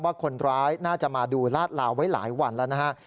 ว่าคนร้ายน่าจะมาดูลาดลาวไว้หลายวันแล้วนะฮะ